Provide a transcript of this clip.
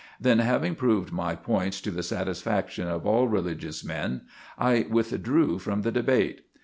Then, having proved my points to the satisfaction of all religious men, I withdrew from the debate.